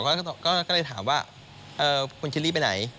ก็เลยถามว่าคุณจะรีบไปไหน